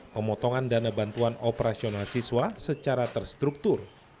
pemotongan dana bantuan operasional siswa secara terstruktur